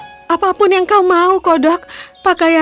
tapi mau kau bermain denganku jika aku bisa menangkap bolamu